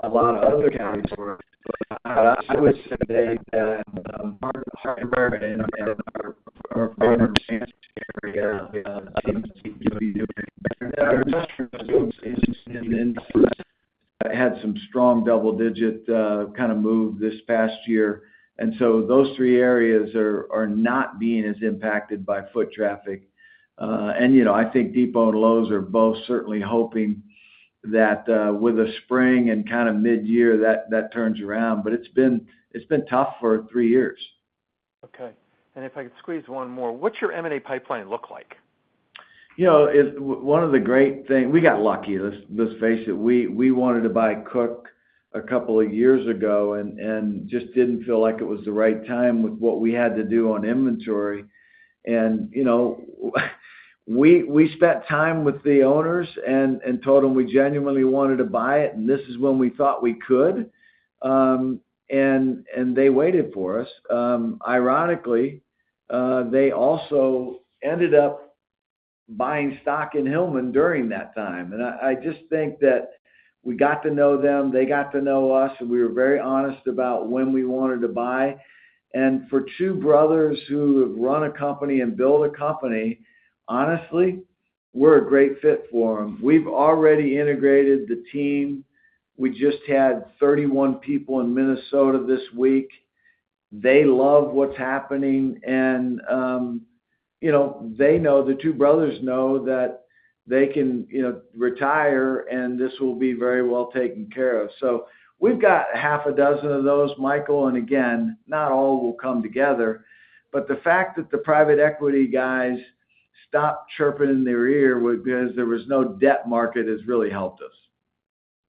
lot of other categories where. I would say, Dave, that Harbor and our San Francisco area have been able to give a new impact. Our Industrial business have had some strong double-digit kind of move this past year. Those three areas are not being as impacted by foot traffic. I think Depot and Lowe's are both certainly hoping that with the spring and kind of midyear, that turns around. It's been tough for three years. Okay. If I could squeeze one more, what's your M&A pipeline look like? One of the great things we got lucky. Let's face it. We wanted to buy Koch a couple of years ago and just didn't feel like it was the right time with what we had to do on inventory. We spent time with the owners and told them we genuinely wanted to buy it, and this is when we thought we could. They waited for us. Ironically, they also ended up buying stock in Hillman during that time. I just think that we got to know them. They got to know us. We were very honest about when we wanted to buy. For two brothers who have run a company and built a company, honestly, we're a great fit for them. We've already integrated the team. We just had 31 people in Minnesota this week. They love what's happening. They know the two brothers know that they can retire, and this will be very well taken care of. We've got 6 of those, Michael. Again, not all will come together. The fact that the private equity guys stopped chirping in their ear because there was no debt market has really helped us.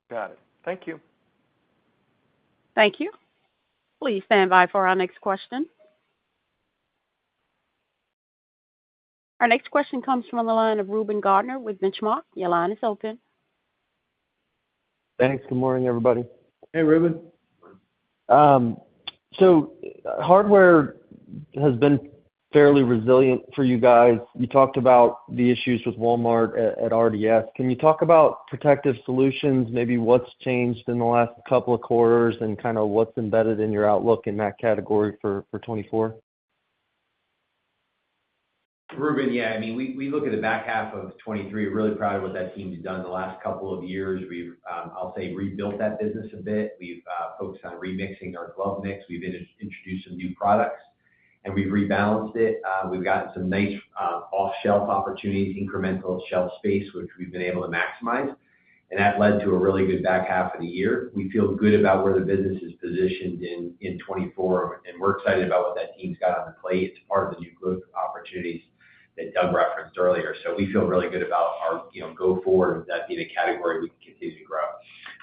Got it. Thank you. Thank you. Please stand by for our next question. Our next question comes from the line of Reuben Garner with Benchmark. Your line is open. Thanks. Good morning, everybody. Hey, Reuben. Hardware has been fairly resilient for you guys. You talked about the issues with Walmart at RDS. Can you talk about Protective Solutions, maybe what's changed in the last couple of quarters, and kind of what's embedded in your outlook in that category for 2024? Reuben, yeah. I mean, we look at the back half of 2023. We're really proud of what that team has done the last couple of years. I'll say rebuilt that business a bit. We've focused on remixing our glove mix. We've introduced some new products, and we've rebalanced it. We've gotten some nice off-shelf opportunities, incremental shelf space, which we've been able to maximize. That led to a really good back half of the year. We feel good about where the business is positioned in 2024, and we're excited about what that team's got on the plate. It's part of the new growth opportunities that Doug referenced earlier. We feel really good about our go-forward with that being a category we can continue to grow.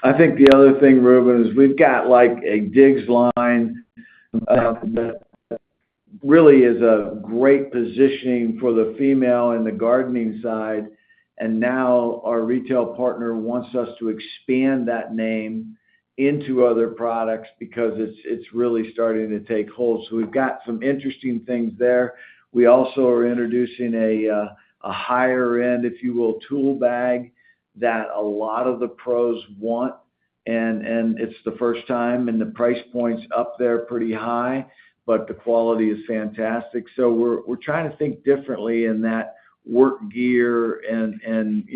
I think the other thing, Reuben, is we've got a Digz line that really is a great positioning for the female and the gardening side. Now our retail partner wants us to expand that name into other products because it's really starting to take hold. We've got some interesting things there. We also are introducing a higher-end, if you will, tool bag that a lot of the pros want. It's the first time, and the price point's up there pretty high, but the quality is fantastic. We're trying to think differently in that work gear and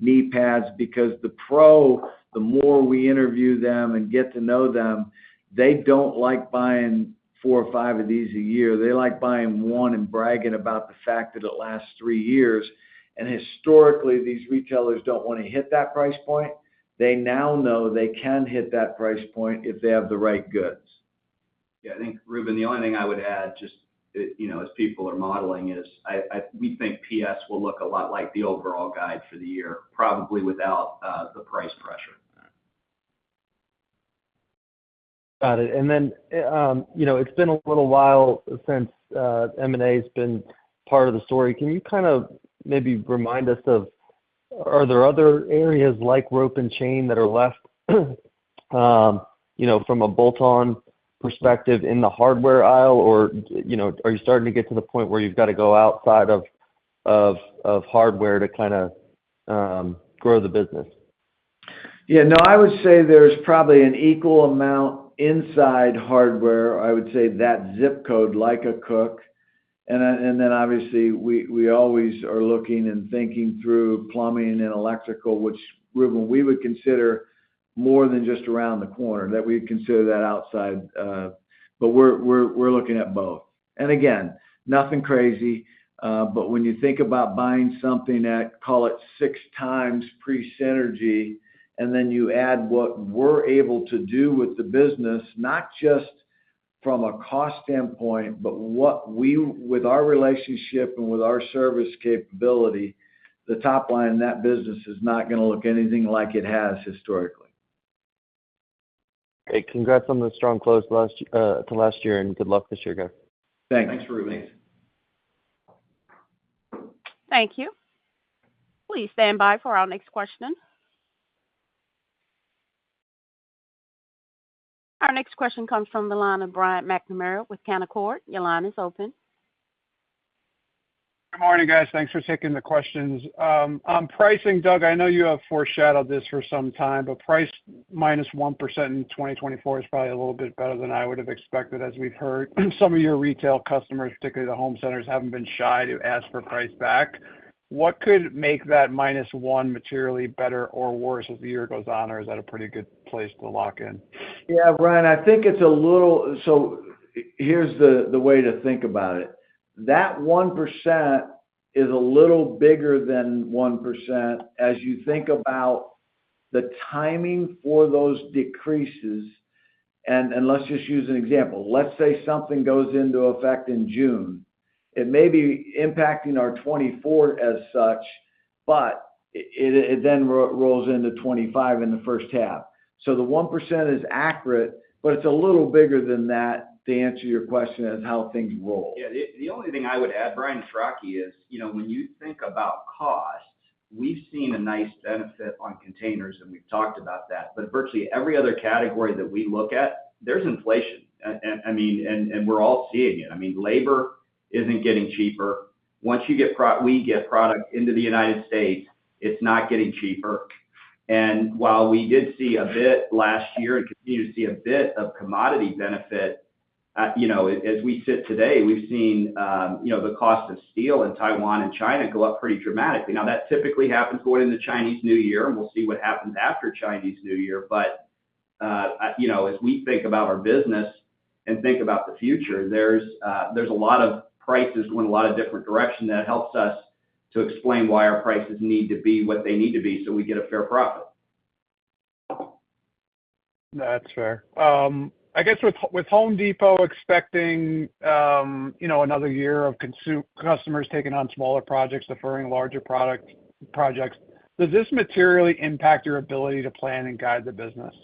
knee pads because the pro, the more we interview them and get to know them, they don't like buying four or five of these a year. They like buying one and bragging about the fact that it lasts three years. Historically, these retailers don't want to hit that price point. They now know they can hit that price point if they have the right goods. Yeah. I think, Reuben, the only thing I would add just as people are modeling is we think PS will look a lot like the overall guide for the year, probably without the price pressure. Got it. Then it's been a little while since M&A has been part of the story. Can you kind of maybe remind us of are there other areas like rope and chain that are left from a bolt-on perspective in the hardware aisle, or are you starting to get to the point where you've got to go outside of hardware to kind of grow the business? Yeah. No, I would say there's probably an equal amount inside hardware. I would say that zip code like a Koch. Then obviously, we always are looking and thinking through plumbing and electrical, which, Reuben, we would consider more than just around the corner, that we'd consider that outside. We're looking at both. Again, nothing crazy. When you think about buying something at, call it, 6x pre-synergy, and then you add what we're able to do with the business, not just from a cost standpoint, but with our relationship and with our service capability, the top line in that business is not going to look anything like it has historically. Okay. Congrats on the strong close to last year, and good luck this year, guys. Thanks. Thanks, Reuben. Thank you. Please stand by for our next question. Our next question comes from the line of Brian McNamara with Canaccord Genuity. Your line is open. Good morning, guys. Thanks for taking the questions. Pricing, Doug, I know you have foreshadowed this for some time, but price -1% in 2024 is probably a little bit better than I would have expected, as we've heard. Some of your retail customers, particularly the home centers, haven't been shy to ask for price back. What could make that -1% materially better or worse as the year goes on, or is that a pretty good place to lock in? Yeah, Brian, I think it's a little so here's the way to think about it. That 1% is a little bigger than 1% as you think about the timing for those decreases. Let's just use an example. Let's say something goes into effect in June. It may be impacting our 2024 as such, but it then rolls into 2025 in the first half. The 1% is accurate, but it's a little bigger than that, the answer to your question is how things roll. Yeah. The only thing I would add, Brian, this is Rocky. When you think about cost, we've seen a nice benefit on containers, and we've talked about that. Virtually every other category that we look at, there's inflation. I mean, and we're all seeing it. I mean, labor isn't getting cheaper. Once we get product into the United States, it's not getting cheaper. While we did see a bit last year and continue to see a bit of commodity benefit, as we sit today, we've seen the cost of steel in Taiwan and China go up pretty dramatically. Now, that typically happens going into Chinese New Year, and we'll see what happens after Chinese New Year. As we think about our business and think about the future, there's a lot of prices going a lot of different directions that helps us to explain why our prices need to be what they need to be so we get a fair profit. That's fair. I guess with Home Depot expecting another year of customers taking on smaller projects, deferring larger projects, does this materially impact your ability to plan and guide the business?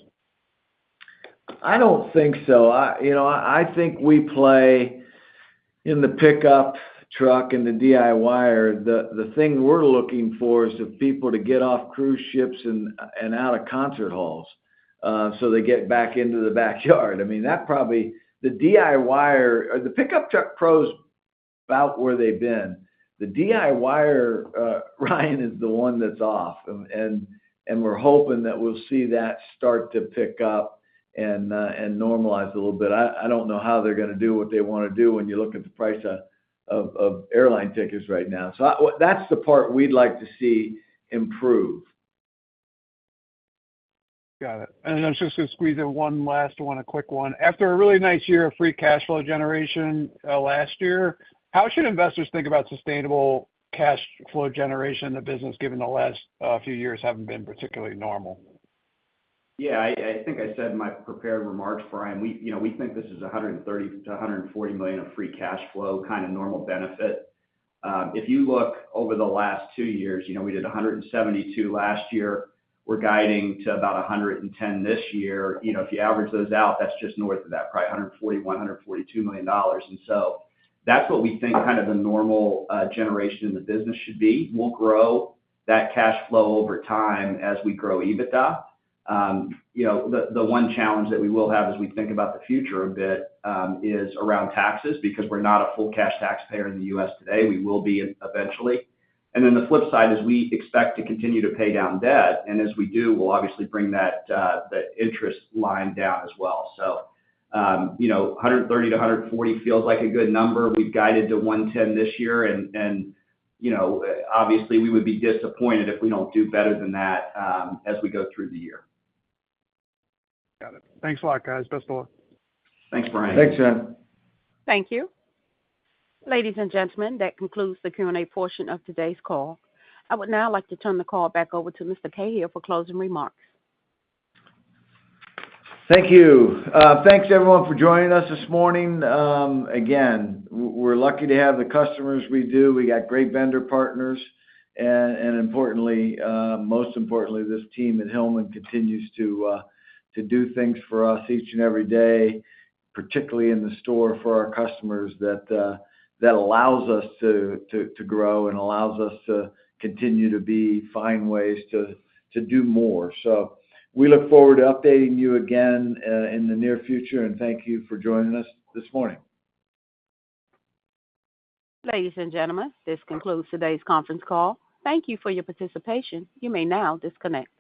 I don't think so. I think we play in the Pickup Truck and the DIYer. The thing we're looking for is for people to get off cruise ships and out of concert halls so they get back into the backyard. I mean, the DIYer the Pickup Truck Pro is about where they've been. The DIYer, Brian, is the one that's off. We're hoping that we'll see that start to pick up and normalize a little bit. I don't know how they're going to do what they want to do when you look at the price of airline tickets right now. So that's the part we'd like to see improve. Got it. And I'm just going to squeeze in one last one, a quick one. After a really nice year of free cash flow generation last year, how should investors think about sustainable cash flow generation in the business given the last few years haven't been particularly normal? Yeah. I think I said in my prepared remarks, Brian, we think this is $130 million-$140 million of free cash flow, kind of normal benefit. If you look over the last two years, we did $172 million last year. We're guiding to about $110 million this year. If you average those out, that's just north of that, probably $141 million, $142 million. And so that's what we think kind of the normal generation in the business should be. We'll grow that cash flow over time as we grow EBITDA. The one challenge that we will have as we think about the future a bit is around taxes because we're not a full-cash taxpayer in the U.S. today. We will be eventually. And then the flip side is we expect to continue to pay down debt. And as we do, we'll obviously bring that interest line down as well. 130-140 feels like a good number. We've guided to 110 this year. Obviously, we would be disappointed if we don't do better than that as we go through the year. Got it. Thanks a lot, guys. Best of luck. Thanks, Brian. Thanks, Brian. Thank you. Ladies and gentlemen, that concludes the Q&A portion of today's call. I would now like to turn the call back over to Mr. Cahill for closing remarks. Thank you. Thanks, everyone, for joining us this morning. Again, we're lucky to have the customers we do. We got great vendor partners. Importantly, most importantly, this team at Hillman continues to do things for us each and every day, particularly in the store for our customers that allows us to grow and allows us to continue to find ways to do more. We look forward to updating you again in the near future. Thank you for joining us this morning. Ladies and gentlemen, this concludes today's conference call. Thank you for your participation. You may now disconnect.